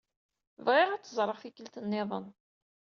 Bɣiɣ ad tt-ẓreɣ tikkelt-nniḍen.